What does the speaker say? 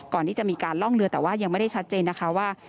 ก่อนที่จะมีการล่องเรือแต่ว่ายังไม่ได้ชัดเจนนะคะว่า